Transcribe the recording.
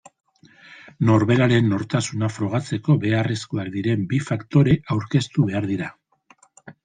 Norberaren nortasuna frogatzeko beharrezkoak diren bi faktore aurkeztu behar dira.